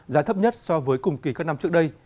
giá thấp nhất so với cùng kỳ các năm trước đây